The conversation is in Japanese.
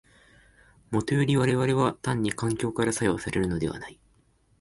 もとより我々は単に環境から作用されるのではない。